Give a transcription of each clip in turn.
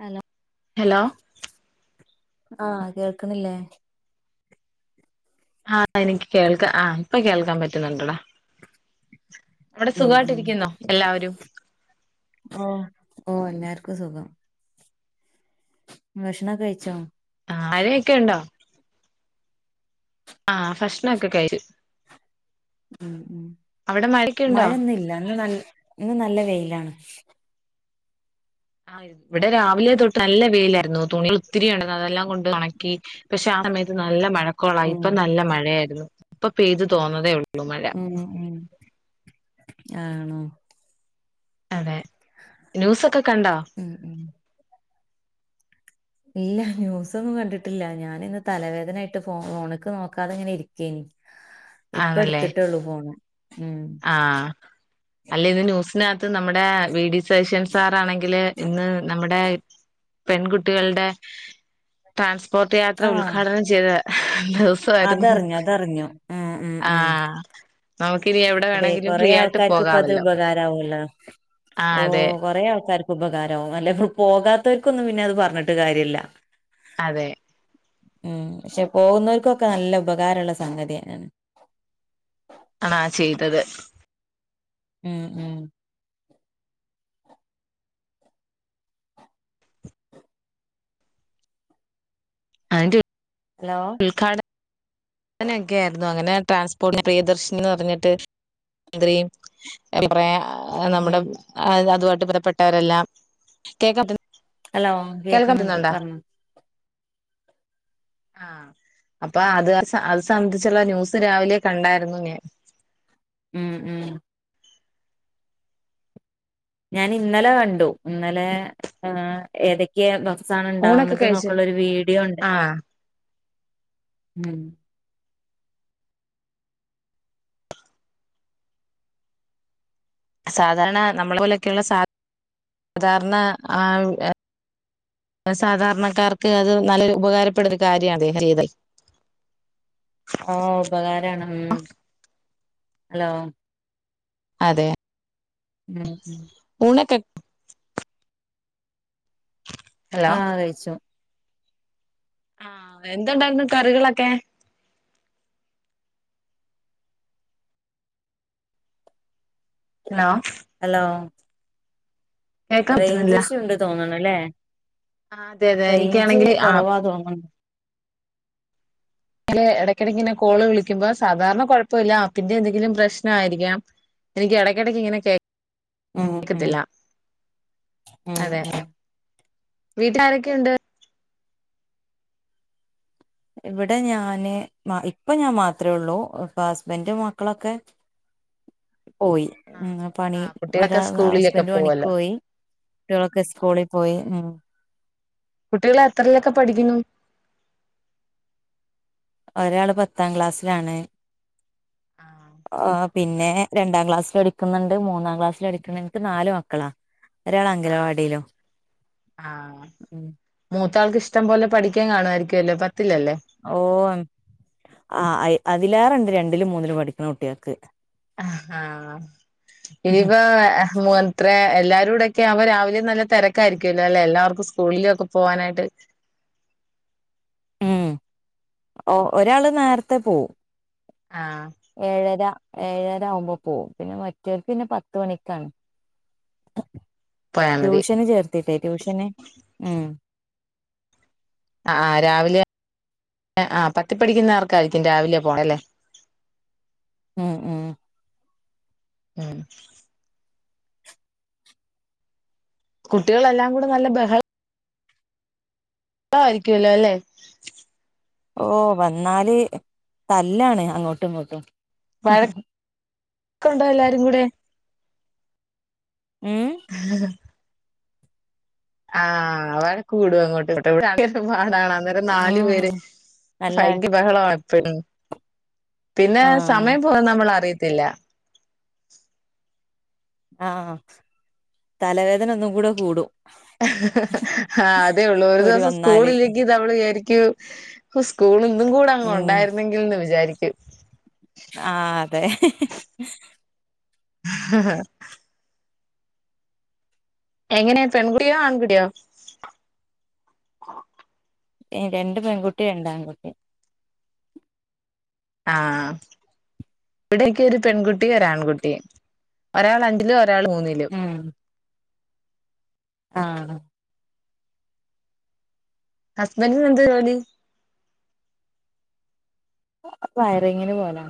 Hello hello. ആഹ് കേക്ക്ണില്ലേ? ആഹ് എനിക്ക് കേൾക്ക ആഹ് ഇപ്പൊ കേൾക്കാം പറ്റുന്നുണ്ടടാ. അവ്ടെ ഉം സുഖയിട്ടിരിക്കുന്നോ എല്ലാവരും? ഓഹ് ഓഹ് എല്ലാര്ക്കു സുഖം. ഭക്ഷണൊക്കെ കയ്ച്ചോ? ആഴേക്കെ ണ്ടോ? ആഹ് ഭഷ്ണൊക്കെ കയ്ര്. ഉം ഉം അവിടെ മഴയൊക്കെ ഉണ്ടോ മഴന്നില്ല ഇന്ന് നൽ ഇന്ന് നല്ല വെയിലാണ്. ആയിര്ന്ന്. ഇവടെ രാവിലെ തൊട്ട് നല്ല വെയിലായ്ര്ന്നു തുണ്യള് ഒത്തിരിയുണ്ട് ന്നതെല്ലാം കൊണ്ട് [unintelligible] ഒണക്കി പക്ഷെ ആ സമയത്ത് നല്ല മഴക്കോളായി ഉം ഇപ്പ നല്ല മഴയായിരുന്നു ഇപ്പ പെയ്തു തോന്നതേ ഒള്ളൂ മഴ. ഉം ഉം ആണോ? അതെ ന്യൂസൊക്കെ കണ്ടോ? ഉം ഉം ഇല്ല ന്യൂസൊന്നും കണ്ടിട്ടില്ല ഞാനിന്ന് തലവേദനായിട്ട് ഫോ ഫോണ്ക്ക് നോക്കാതെങ്ങനെരിക്കേനി. [inaudible] ഇപ്പട്ത്ത്ട്ടൊള്ളൂ ഫോണ്. ഉം ആഹ്. അല്ല ഇന്ന് ന്യൂസിനാത്ത് നമ്മ്ടെ വി ഡി സദീഷൻ സാറാണെങ്കില് ഇന്ന് നമ്മടെ പെൺകുട്ടികൾടെ ട്രാൻസ്പോർട്ട് യാത്ര ആഹ് ഉദ്ഘാടനം ചെയ്ത ദിവസ് സായ്ര്ന്നു അതറിഞ്ഞു അതറിഞ്ഞു ഉം ഉം ഉം ആഹ് നമക്ക്നി അതെ കൊറെ ആൾക്കാർക്ക് പ്പത് ഉപകാരാവൊല്ലോ ആഹ് അതെ ഓഹ് കൊറേ ആൾക്കാര് ഉപകാരവും അല്ല [unintelligible] പോകാത്തോര്ക്കൊന്നും പിന്നെ അത് പർഞ്ഞ്ട്ട് കാര്യല്ല. അതെ. ഉം പക്ഷേ പോകുന്നോർക്കൊക്കെ നല്ല ഉപകാരള്ള സംഗത്യാണ്. അണാ ചെയ്തത്. ഉം ഉം. അയ്ൻ്റെ ഹലോ. ഉദ്ഘാട നെക്കായിരുന്നു അങ്ങനെ ട്രാൻസ്പോർട്ട് പ്രിയദർശിനിന്ന് പർഞ്ഞിട്ട് മന്ത്രി [unintelligible] നമ്മടെ ഉം അതു വായിട്ട് പുറപ്പെട്ടവരെല്ലാം കേക്കതി ഹല്ലോ കേക്ക്ന്ന്ണ്ട് പർണോ. ആഹ് അപ്പൊ അത് അത് സ അത് സംബന്ധിച്ചുള്ള ന്യൂസ് രാവിലെ കണ്ടാര്ന്നു ഞാൻ. ഉം ഉം. ഞാനിന്നലെ കണ്ടു ഇന്നലെ ആഹ് എത ക്കെ ബസ്സാണ് ഊണൊക്കെ ണ്ടാവണത് കഴിച്ച് ന്നൊക്കെള്ളൊരു വീഡിയോ ണ്ട്. ആഹ് ഉം സാധാരണ നമ്മളെ പോലെയൊക്കെയുള്ള സാ സാധാരണ ആ ളുകള് സാധാരണക്കാർക്ക് അത് നല്ലൊരു ഉപകാരപ്പെട ഒരു കാര്യണ് [unintelligible] അന ഉപകാരാണ് മ് ഹലോ.. അതെ, ഉം, ഊണക്ക ഹലോ ആഹ് കഴിച്ചു, ആഹ്, എന്തുണ്ടായിരുന്നു കറികളൊക്കെ, ഹലോ, ഹലോ, കേക്കാൻ റേഞ്ച് പറ്റുന്നില്ല ഇഷ്യുണ്ട് തോന്നണല്ലേ ആഹ് അതെ അതെ റേയ്ഞ്ച് എനിക്കാണെങ്കിൽ കൊറവാ തോന്നണ്, ല് ഇടയ്ക്കിടയ്ക്ക്ങ്ങനെ കോള് വിളിക്കുമ്പോ സാധാരണ കുഴപ്പല്ല ആപ്പിന്റെ എന്തെങ്കിലും പ്രശ്നം ആയിരിക്കാം, എനിക്ക്‌ ഇടക്കടക്ക്ങ്ങനെ കേ ഉം ഉം വീട്ടിലാരൊക്കെ ഉണ്ട്? ഇവിടെ ഞാന് ഇപ്പൊ ഞാൻ മാത്രെ ഉള്ളൂ, പ്പൊ ഹസ്ബൻഡ് മക്കളൊക്കെ, പോയി ആഹ് പണി ആഹ് കുട്ടികളൊക്കെ ഒരാ സ്കൂളിലൊക്കെ ഹസ്ബൻഡ് പോവല്ലോ പണിക്കോയി, കുട്ടികളൊക്കെ സ്കൂളിൽ പോയി ഉ, കുട്ടികള എത്രല്ലൊക്കെ പഠിക്കുന്നു? ഒരാള് പത്താം ക്ലാസിലാണ്, ആഹ് ഒ പിന്നെ രണ്ടാം ക്ലാസ്സൽ പഠിക്കുന്നുണ്ട് മൂന്നാം ക്ലാസ്സൽ പഠിക്കുന്നുണ്ട് എനിക്ക് നാല് മക്കളാ, ഒരാളാ ആഹ് അങ്കനവാടിയിലും, ആഹ് മൂത്താൾക്ക് ഇഷ്ടം പോലെ പഠിക്കാൻ കാണുമായിരിക്കല്ലോ പത്തിലല്ലേ, ഓഹ് അ അതിലേറണ്ട് രണ്ടിലും മൂന്നിലും പഠിക്കണ കുട്ടികൾക്ക്, അഹ ലീവാവെ പോവൻത്രെ എല്ലാരുടെയൊക്കെ അവ രാവിലെ നല്ല തിരക്കായിരിക്കുമല്ലോ അല്ലെ എല്ലാവർക്കും സ്കൂളിലൊക്കെ പോവാനായിട്ട്, ഉം ഒരാള് നേരത്തെ പോവും, ആഹ്, ഏഴര ഏഴര ആകുമ്പോ പോകും പിന്നെ മറ്റോർക്ക് പിന്നെ പത്ത് മണിക്കാണ്, പോയാൽ മതി ട്യൂഷന് ചേർത്തില്ലെ ട്യൂഷന് ഉ, ആഹ് രാവിലെ ആഹ് പത്തിപ്പഠിക്കുന്ന ആർക്കായിരിക്കും രാവിലെ പോകണം അല്ലേ, ഉം ഉം, ഉം കുട്ടികളെല്ലാം കൂടെ നല്ല ബഹ ളായിരിക്കല്ലോ അല്ലെ, ഓഹ് വന്നാല് തല്ലാണ് അങ്ങോട്ടും ഇങ്ങോട്ടും, വഴ ക്കുണ്ടോ എല്ലാരും കൂടെ, ഉം ഹ് ഹ് ആഹ വഴക്ക് കൂടും അങ്ങോട്ട് ഇങ്ങോട്ട് കൂടെ നല്ല പാടാണ് ഇവിടെ നാല് പേര് നല്ല ഭയങ്കര ബഹളപ്പെളും പിന്നെ ആഹ് സമയം പോന്നെ നമ്മളറിയത്തില്ല, ആഹ് തലവേദന ഒന്നും കൂടെ കൂടും, ആഹ് അതേ ഉള്ളൂ ഒരു ഓര് ദിവസം വന്നാല് സ്കൂളില്ലെങ്കിൽ നമ്മള്ചാരിക്കും, ഇസ്കൂൾ ഇന്നും കൂടെ അങ് ഉം ഉണ്ടായിരുന്നെങ്കിൽന്ന് വിചാരിക്കും ആഹ് അതെ [unintelligible] എങ്ങന പെൺകുട്ടിയോ ആൺകുട്ടിയോ? രണ്ട് പെൺകുട്ടിണ്ട് രണ്ടാൺകുട്ടിണ്ട് ആഹ് ഇവിടേക്ക് ഒരു പെൺകുട്ടി ഒരാൺകുട്ടി ഒരാൾ രണ്ടില് ഒരാൾ മൂന്നില് ഉം ആഹ് ഹസ്ബന്റിന് എന്താ ജോലി വയറിങ്ങിന് പോലാ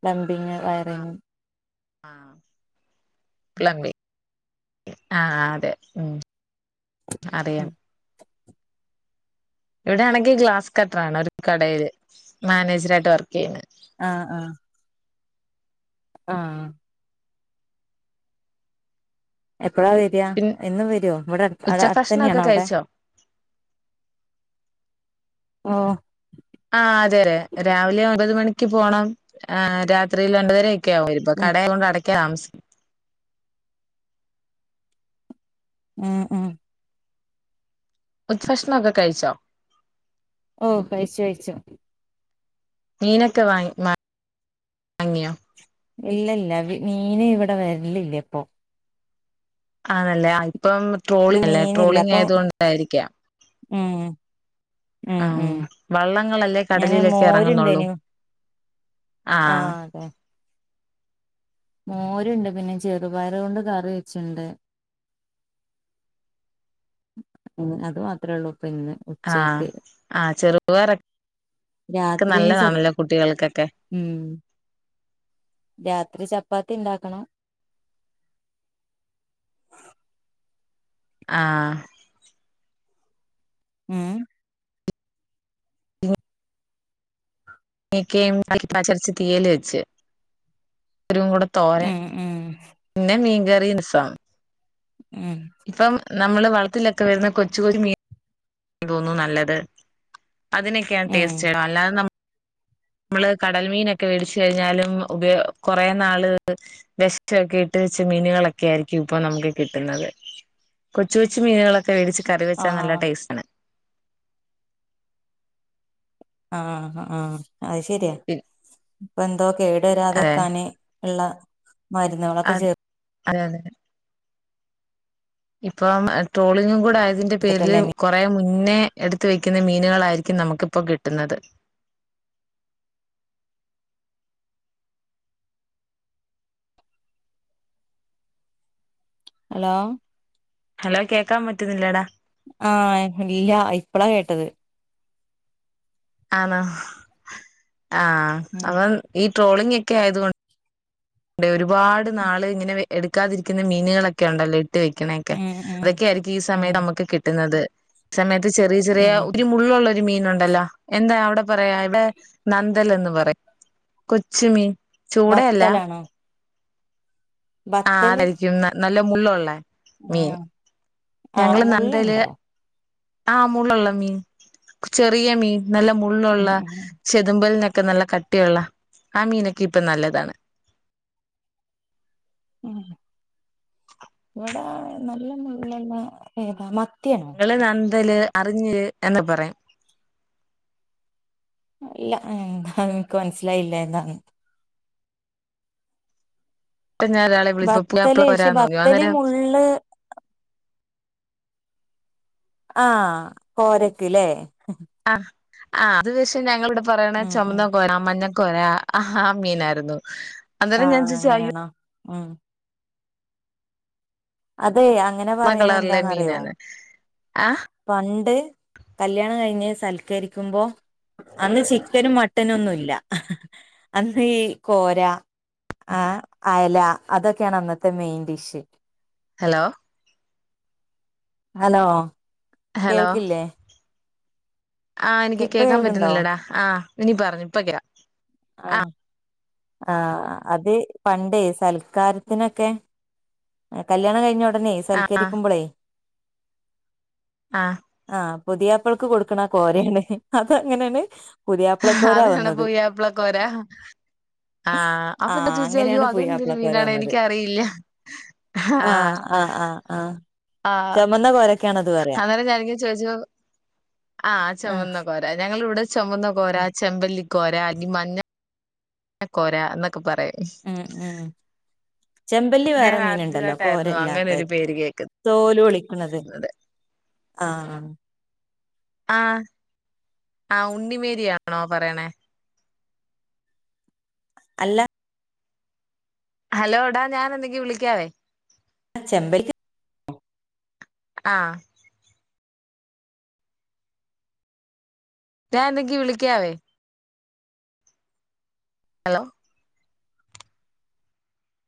പ്ലമ്പിങ്ങ് വയറിങ് ആഹ് പ്ലബി ആഹ് അതെ ഉം അറിയാം ഇവിടെ ആണെങ്കി ഗ്ലാസ് കട്ടറാണ് ഒരു കടയില് മാനേജറായിട്ട് വർക്ക്യ്യ്ണ് ആഹ് ആഹ് ആഹ് എപ്പഴാ വരാ പിന്നെ എന്നും വരോ ഇവടെ അട് ഔടെ ഉച്ചഭക്ഷണൊക്കെ അടുത്തന്നെയാണോ അവിടെ കഴിച്ചോ ഓഹ് ആഹ് അതെ അതെ രാവിലെ ഒമ്പത് മണിക്ക് പോണം ആ രാത്രിയിൽ ഒൻമ്പതര ക്യാവും വര്മ്പോ ഉം കടേകൊണ്ട്ടക്കാ താമസ് ഉം ഉം ഉച്ചഭഷ്ണൊക്കെ കഴിച്ചോ ഓഹ് കഴിച്ചു കഴിച്ചു മീനൊക്കെ വാങ്ങി വാ വാങ്ങിയൊ ഇല്ല ഇല്ല മീന് ഇവടെ വരലില്ല ഇപ്പൊ ആണല്ലേ ഇപ്പം ഇന്ന് ട്രോളിങ്ങല്ലേ മീനില്ല അപ്പൊ ട്രോളിങ്ങായത് കൊണ്ടായിരിക്കാം ഉം ഉം ഉം ആഹ് വള്ളങ്ങളല്ലേ ഞാന് കടലിലെക്ക് ഏറങ്ങുന്നൊള്ളൂ മോരുണ്ടേനു ആഹ് അതെ മോര്ണ്ട് പിന്നെ ചെറുപയറ് കൊണ്ട് കറി വെച്ചിണ്ട് അത് മാത്രേ ഒള്ളൂ ഇപ്പ ഇന്ന് ആഹ് ഉച്ചക്ക് ആഹ് ചെറുപയറൊക്കെ രാത്രി ഇനി ച നല്ലതാണല്ലോ കുട്ടികൾക്കൊക്കെ ഉം രാത്രി ചപ്പാത്തി ഇണ്ടാക്കണം ആഹ് ഉം [inaudible] [unintelligible] [unintelligible] തോരൻ ഉം ഉം പിന്നെ മീൻകറിയന്സ ഉം ഇപ്പം നമ്മള് വള്ത്തിലൊക്കെ വരുന്ന കൊച്ചൊ കൊച്ചു മീ തോന്നുന്നു നല്ലത് അതിനൊക്കെയാണ് ഉം ടേസ്റ്റ് അല്ലാതെ നമ്മള് കടൽ മീനൊക്കെ വേടിച്ച്ഴിഞ്ഞാലും ഉപയോ കൊ റേ നാള് ബെസ്റ്റൊക്കെയിട്ട് വെച്ച മീനുകളൊക്കെ ആയിരിക്കും ഇപ്പൊ നമുക്ക് കിട്ടുന്നത് കൊച്ചു കൊച്ചു മീനുകളൊക്കെ വേടിച്ച് കറി വെച്ചാ നല്ല ആഹ് ടേസ് ആഹ് ആഹ് അഹ് ശരിയാ ഇപ്പ എന്തോ അതെ കേടുവരാതെക്കാന് ഇള്ള മരുന്ന്കളൊക്കെ ചേർ അതെ അതെ ഇപ്പം ട്രോളിങ്ങും കൂടെ ആയതിന്റെ പേര്ല് ചേർത്തിട്ടല്ലേ മീ കൊറേ മുന്നേ എടുത്ത് വെക്കുന്ന മീനുകളായിരിക്കും നമുക്കിപ്പോ കിട്ടുന്നത് ഹലോ ഹലോ കേക്കാം പറ്റുന്നില്ലേടാ ആഹ് ഇല്ല ഇപ്പളാ കേട്ടത് ആണോ ആഹ് ഉം അപ്പം ഈ ട്രോളിങ്ങെക്കെ ആയത് കൊ ണ്ട് ഒരുപാട് നാള് ഇങ്ങനെ എടുക്കാതിരിക്കുന്ന മീനുകളൊക്കെണ്ടല്ലേ ഇട്ട് വെക്ക്ണെക്കെ ഉം ഉം അതൊക്കെയായിരിക്കും ഈ ഉം സമയത്ത് നമുക്ക് കിട്ടുന്നത് സമയത്ത് ചെറിയ ചെറിയ ഉം ഒരു മുള്ളുള്ളൊരു മീനുണ്ടല്ലോ എന്താ അവിടെ പറയാ ഇവിടെ ന ത്തലെന്ന് പറിം കൊച്ചുമീൻ ബത്തലാണോ. ആഹ് ബത്തല് അതായിരിക്കും നല്ല മുള്ളുള്ളേ. മീൻ ആഹ് ആഹ് ഞങ്ങള് നന്തല്. മുള്ളുണ്ടോ ആഹ് മുള്ളുള്ള മീൻ ചെറിയ മീൻ നല്ലമുള്ളുള്ള ഉം ഉം ചെതുമ്പൽനൊക്കെ നല്ല കട്ടിയുള്ള ആ മീനൊക്കെ ഇപ്പൊ നല്ലതാണ്. ഉം ഇവിടെ നല്ല മുള്ളുള്ള ഏത മത്തിയാണ്. നല്ല നന്തല് അറിഞ്ഞ എന്ന് പറയും. ഇല്ല ഉം എൻക്ക് മനസ്സിലായില്ല ഏതാന്ന്. പഞാലരാള്. ബത്തല് പക്ഷേ ബത്തല് മുള്ള് ആഹ് കോരക്ക്ലേ ആഹ് ആഹ് അത് പക്ഷേ ഞങ്ങളിവിടപറയെണ ഉം ഉം ചൊമന്ന കോരാ മഞ്ഞ കോര ആഹ് മീനായിരുന്നു. അന്നേരം ഞാൻ ആഹ് ചോദിച്ചു അയ്യോ അങ്ങനെയാണോ ഉം. അതെ അങ്ങനെ ചുവന്ന പറയുന്ന കളറിലെ എന്താന്നറിയോ മീനാണ് ആഹ് പണ്ട് കല്യാണം കഴിഞ്ഞ് സൽക്കരിക്കുമ്പോ അന്ന് ചിക്കനും മട്ടനും ഒന്നുല്ല അന്ന് ഈ കോര ആ അയല അതൊക്കെയാണ് അന്നത്തെ main dish. Hello. Hello hello കേൾക്കില്ലേ. ആഹ് എനിക്ക് ഇപ്പൊ കേൾക്കാൻ കേൾക്കണ്ടോ പറ്റുന്നില്ലടാ ആ ഇനി പറഞ്ഞോ ഇപ്പകേക്കാം. ആഹ് അത് പണ്ടേ സൽക്കാരത്തിനൊക്കെ. കല്യാണം കഴിഞ്ഞ ഉടനെ ആഹ് സൽക്കരിക്കുമ്പളേ ആഹ്. ആഹ് പുതിയപ്പളക്ക് കൊടുക്കണ കോരേണ് അത് അങ്ങനെണ് ആഹ് അതാണ് പുത്യാപളകോര. ആഹ് ആ അപ്പൊ എന്താ ചോദിച്ചെ അയ്യോ അങ്ങനെയാണ് അതൊന്തരു പുതിയാപ്പളക്കോര മീനാണ് വന്നത് എനിക്കറിയില്ല. ആഹ്. അഹ് ആഹ്. ആഹ്. വന്ന കോര അന്നേരം ഞാനക്ക ചോദിച്ചു ആഹ് ആ ചുമന്ന കോരാ ഞങ്ങള് ഇവിടെ ചൊമന്ന കോര ചെമ്പല്ലിക്കോര അല്ലി മഞ്ഞ. കോരാ എന്നൊക്കെ പറയും. ഉം ഉം ചെമ്പല്ലി വേറെ ഞാൻ മീന്ണ്ടല്ലോ ആദ്യമായിട്ടായിരുന്നു അങ്ങനെ ഒരു കോരല്ലാത്തത്. പേര് കേൾക്കുന്നത് തോലു പൊളിക്കണത് ആഹ്. ആഹ്. ആഹ് ഉണ്ണിമേരിയാണോ പറയണേ. അല്ല. ഹലോ ടാ ഞാനെന്തെങ്കി വിളിക്കാവേ. ആഹ് ചെമ്പല്ലി. ആഹ്. റ്റാൻ ത്ക്കി വിളിക്കാവേ. ഹലോ.